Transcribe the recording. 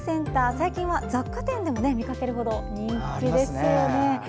最近は雑貨店でも見かけるほど人気ですよね。